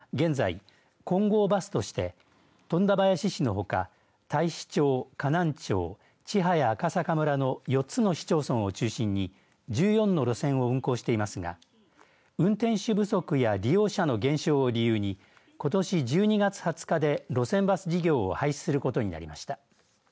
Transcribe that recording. この会社は現在金剛バスとして富田林市のほか太子町、河南町、千早赤阪村の４つの市町村を中心に１４の路線を運行していますが運転手不足や利用者の減少を理由にことし１２月２０日で路線バス事業を廃止することになりました。